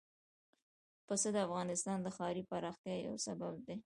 پسه د افغانستان د ښاري پراختیا یو سبب دی.